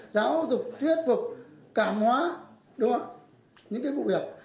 giáo dục thuyết phục cảm hóa những vụ việc